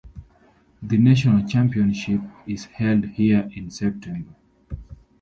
The National Championship is held here in September.